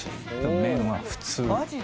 麺は普通。